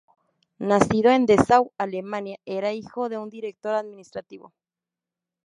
Nacido en Dessau, Alemania, era hijo de un director administrativo.